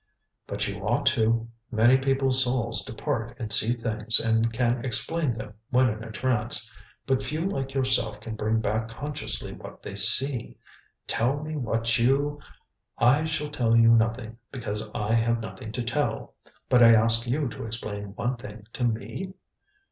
"But you ought to. Many people's souls depart and see things and can explain them when in a trance. But few like yourself can bring back consciously what they see. Tell me what you " "I shall tell you nothing, because I have nothing to tell. But I ask you to explain one thing to me?"